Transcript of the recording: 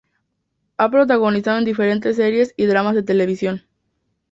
Ha protagonizado en diferentes series y dramas de televisión.